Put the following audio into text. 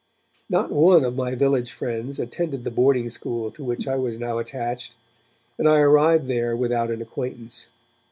Not one of my village friends attended the boarding school to which I was now attached, and I arrived there without an acquaintance.